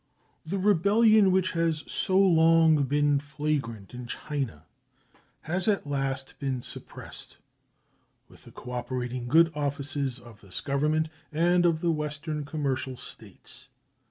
The rebellion which has so long been flagrant in China has at last been suppressed, with the cooperating good offices of this Government and of the other Western commercial States.